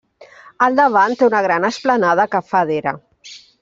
Al davant té una gran esplanada que fa d'era.